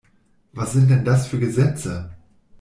Was sind denn das für Gesetze?